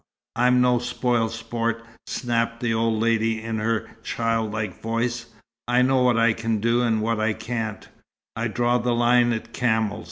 I'm no spoil sport," snapped the old lady, in her childlike voice. "I know what I can do and what I can't. I draw the line at camels!